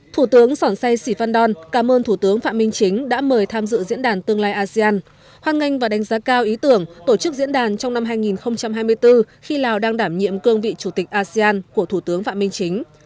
thủ tướng sòn say sì phan đon cảm ơn thủ tướng phạm minh chính đã mời tham dự diễn đàn tương lai asean hoan nghênh và đánh giá cao ý tưởng tổ chức diễn đàn trong năm hai nghìn hai mươi bốn khi lào đang đảm nhiệm cương vị chủ tịch asean của thủ tướng phạm minh chính